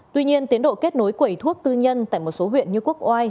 tuy nhiên tiến độ kết nối quẩy thuốc tư nhân tại một số huyện như quốc oai